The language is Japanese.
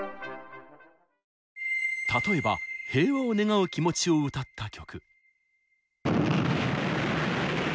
例えば平和を願う気持ちを歌った曲。